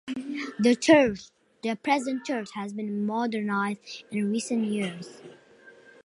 The present church has been modernised in recent years.